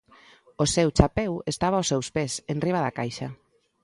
O seu chapeu estaba aos seus pés enriba da caixa.